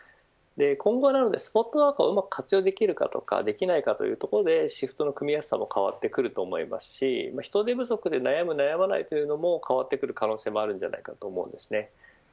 今後はスポットワーカーをうまく活用できるかできないかというところでシフトの組みやすさも変わってくると思いますし人手不足で悩む、悩まないというのも変わってくる可能性もあると思います。